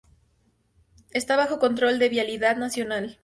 Está bajo control de Vialidad Nacional.